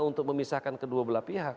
untuk memisahkan kedua belah pihak